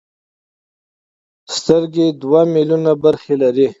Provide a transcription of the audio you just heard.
سترګې دوه ملیونه برخې لري.